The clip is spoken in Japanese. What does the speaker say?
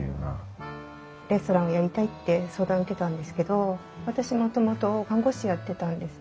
レストランをやりたいって相談受けたんですけど私もともと看護師やってたんですね。